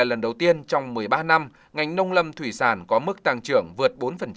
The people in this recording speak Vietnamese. lần đầu tiên trong một mươi ba năm ngành nông lâm thủy sản có mức tăng trưởng vượt bốn